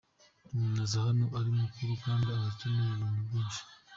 Umuntu aza hano ari mukuru kandi aba akeneye ibintu byishi.